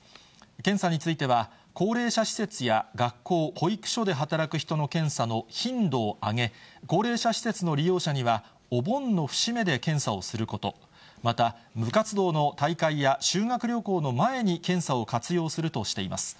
検査については、高齢者施設や学校、保育所で働く人の検査の頻度を上げ、高齢者施設の利用者には、お盆の節目で検査すること、また、部活動の大会や修学旅行の前に検査を活用するとしています。